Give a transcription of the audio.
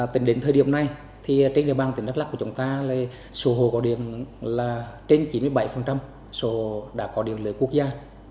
tính đến thời điểm này trên địa bàn tỉnh đắk lắc của chúng ta số hộ có điện là trên chín mươi bảy số hộ đã có điện lưới quốc gia